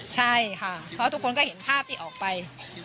ใช่ค่ะเพราะทุกคนก็เห็นภาพที่ออกไป